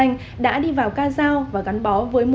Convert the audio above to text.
hãy suy nghĩ